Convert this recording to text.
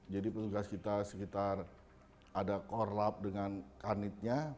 jadi tugas kita sekitar ada core lab dengan karnitnya